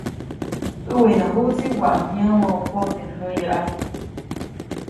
Käʼwejyajuʼtsi waʼat yä̃wäʼu teʼ poʼstinjäyäʼajy.